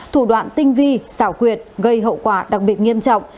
thủ đoạn tinh vi xảo quyệt gây hậu quả đặc biệt nghiêm trọng